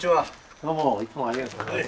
どうもいつもありがとうございます。